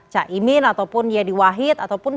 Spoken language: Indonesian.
caimin ataupun yedi wahid ataupun